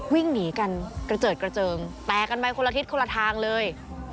วิ่งหนีกันกระเจิดกระเจิงแตกกันไปคนละทิศคนละทางเลย